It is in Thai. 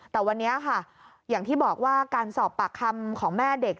แต่วันนี้ค่ะอย่างที่บอกว่าการสอบปากคำของแม่เด็ก